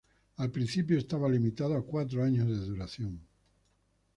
Al principio estaba limitado a cuatro años de duración.